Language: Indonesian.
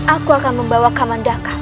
aku akan membawa kamandaka